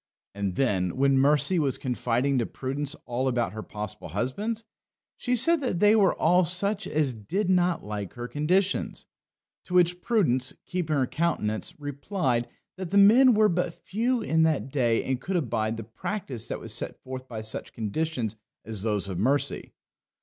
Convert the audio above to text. And then, when Mercy was confiding to Prudence all about her possible husbands, she said that they were all such as did not like her conditions. To which Prudence, keeping her countenance, replied, that the men were but few in their day that could abide the practice that was set forth by such conditions as those of Mercy.